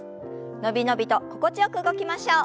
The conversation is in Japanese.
伸び伸びと心地よく動きましょう。